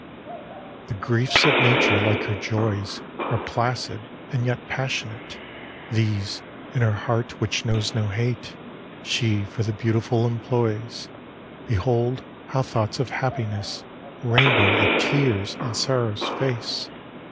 LXV The griefs of Nature, like her joys, Are placid and yet passionate; These, in her heart which knows no hate, She for the beautiful employs.... Behold how thoughts of happiness Rainbow the tears on sorrow's face!